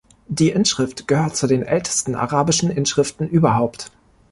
Die Inschrift gehört zu den ältesten arabischen Inschriften überhaupt.